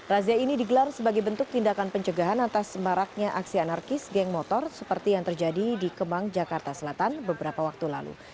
razia ini digelar sebagai bentuk tindakan pencegahan atas maraknya aksi anarkis geng motor seperti yang terjadi di kemang jakarta selatan beberapa waktu lalu